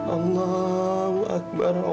allahu akbar allah